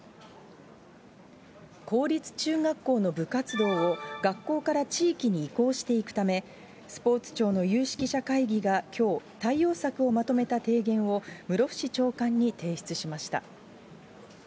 公立中学校の部活動を学校から地域に移行していくため、スポーツ庁の有識者会議がきょう、対応策をまとめた提言を、室伏長官に提出しました。